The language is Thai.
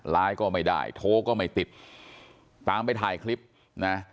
ก็ไม่ได้โทรก็ไม่ติดตามไปถ่ายคลิปนะ